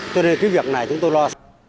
cho nên cái việc này chúng tôi lo